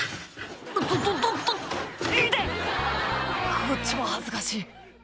こっちも恥ずかしい」